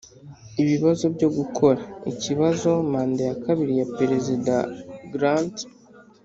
ibibazo byo gukora ikibazo manda ya kabiri ya perezida grant